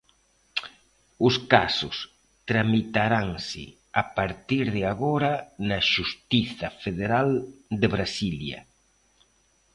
Os casos tramitaranse a partir de agora na xustiza federal de Brasilia.